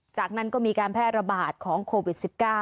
จากนั้นก็มีการแพร่ระบาดของโควิด๑๙